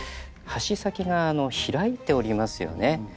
はし先が開いておりますよね。